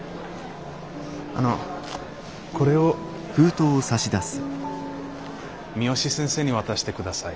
あのこれを三芳先生に渡してください。